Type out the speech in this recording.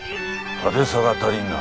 派手さが足りんな。